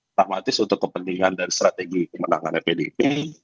pragmatis untuk kepentingan dan strategi kemenangan pdp